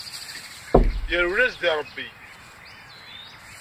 Yerwel-as-d i rebbi.